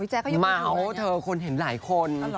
พี่แจ๊กก็ยังคุยด้วยม้าวเธอควรเห็นหลายคน